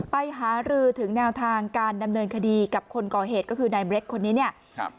หารือถึงแนวทางการดำเนินคดีกับคนก่อเหตุก็คือนายเบรคคนนี้เนี่ยครับ